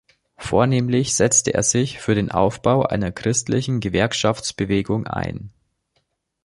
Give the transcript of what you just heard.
Vornehmlich setzte er sich für den Aufbau einer christlichen Gewerkschaftsbewegung ein.